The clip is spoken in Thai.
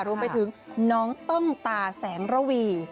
รวมไปถึงน้องต้องตาแสงระวี